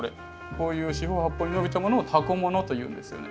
こういう四方八方に伸びたものをタコ物というんですよね。